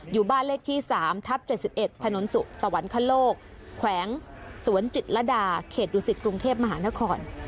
อยู่บ้านเลขที่๓ทับ๗๑ถนนสุขสวรรคโลกแขวงสวนจิตรดาเขตดุสิตกรุงเทพมหานคร